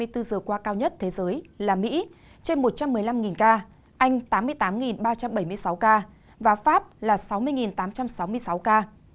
hai mươi bốn giờ qua cao nhất thế giới là mỹ trên một trăm một mươi năm ca anh tám mươi tám ba trăm bảy mươi sáu ca và pháp là sáu mươi tám trăm sáu mươi sáu ca